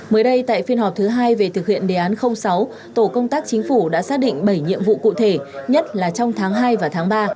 mới đây tại phiên họp thứ hai về thực hiện đề án sáu tổ công tác chính phủ đã xác định bảy nhiệm vụ cụ thể nhất là trong tháng hai và tháng ba